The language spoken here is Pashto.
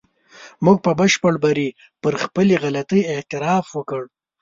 موږ په بشپړ بري پر خپلې غلطۍ اعتراف وکړ.